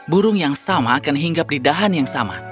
burung yang sama akan hingga peridahan yang sama